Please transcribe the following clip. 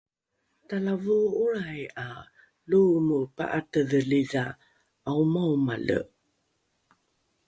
talavoo’olrai ’a loomo pa’atedhelidha ’aomaomale